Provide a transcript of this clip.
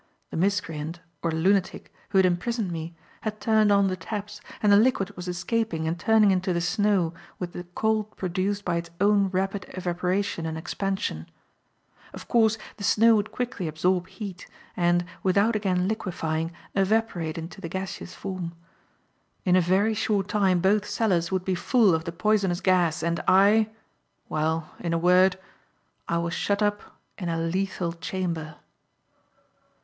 The miscreant (or lunatic) who had imprisoned me had turned on the taps, and the liquid was escaping and turning into to snow with the cold produced by its own rapid evaporation and expansion. Of course the snow would quickly absorb heat, and, without again liquefying, evaporate into the gaseous form. In a very short time both cellars would be full of the poisonous gas, and I well, in a word, I was shut up in a lethal chamber.